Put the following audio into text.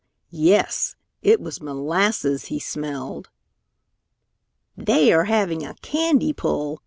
Yes, it was molasses he smelled! "They are having a candy pull.